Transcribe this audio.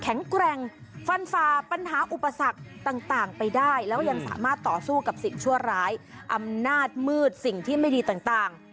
แกร่งฟันฝ่าปัญหาอุปสรรคต่างไปได้แล้วยังสามารถต่อสู้กับสิ่งชั่วร้ายอำนาจมืดสิ่งที่ไม่ดีต่าง